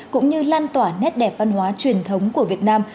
cũng như lan tỏa nét đẹp văn hóa truyền thống của việt nam